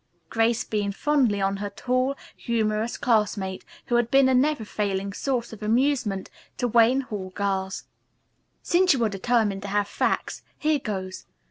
Grace beamed fondly on her tall, humorous classmate who had been a never failing source of amusement to the Wayne Hall girls. "Since you are determined to have facts, here goes.